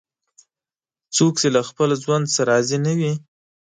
څوک چې له خپل ژوند څخه راضي نه وي